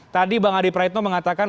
tadi bang adi praetno mengatakan